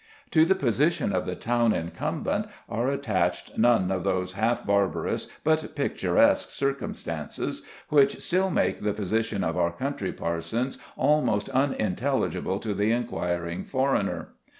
To the position of the town incumbent are attached none of those half barbarous but picturesque circumstances which still make the position of our country parsons almost unintelligible to the inquiring foreigner.